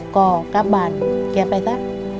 ก็กลับบาทเก็บไปซะ